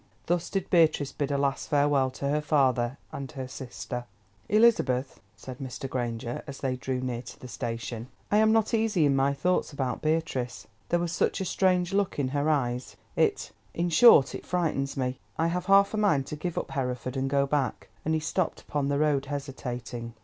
Thus did Beatrice bid a last farewell to her father and her sister. "Elizabeth," said Mr. Granger, as they drew near to the station, "I am not easy in my thoughts about Beatrice. There was such a strange look in her eyes; it—in short, it frightens me. I have half a mind to give up Hereford, and go back," and he stopped upon the road, hesitating.